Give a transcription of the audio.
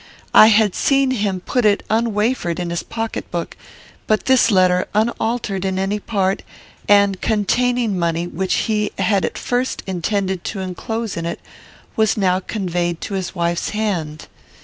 I had seen him put it unwafered in his pocket book, but this letter, unaltered in any part, and containing money which he had at first intended to enclose in it, was now conveyed to his wife's hand.